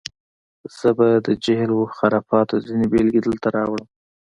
زه به د جهل و خرافاتو ځینې بېلګې دلته راوړم.